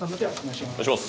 お願いします。